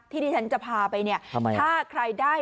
ที่ที่ฉันจะพาไปเนี่ยถ้าใครได้